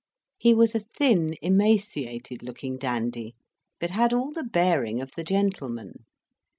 He was a thin, emaciated looking dandy, but had all the bearing of the gentleman.